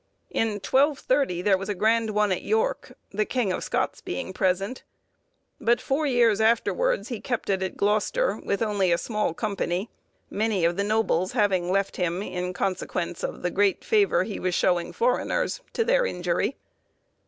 In 1230, there was a grand one at York, the King of Scots being present; but four years afterwards he kept it at Gloucester, with only a small company, many of the nobles having left him in consequence of the great favour he was showing foreigners, to their injury.